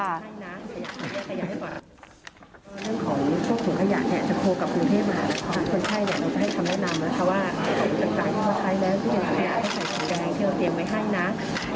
คนใจแบบนี้นะก็เคี้ยแล้วสำนักดีไง